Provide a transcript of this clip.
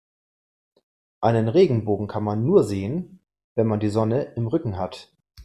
Einen Regenbogen kann man nur sehen, wenn man die Sonne im Rücken hat.